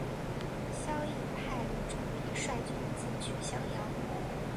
萧绎派柳仲礼率军进取襄阳。